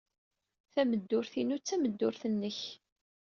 Tameddurt-inu d tameddurt-nnek.